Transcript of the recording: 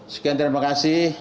sekian terima kasih